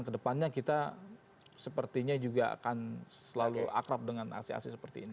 dan ke depannya kita sepertinya juga akan selalu akrab dengan aksi aksi seperti ini